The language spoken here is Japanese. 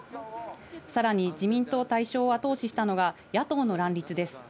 さらに自民党大勝を後押ししたのが野党の乱立です。